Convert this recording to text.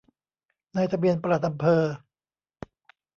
นายทะเบียนปลัดอำเภอ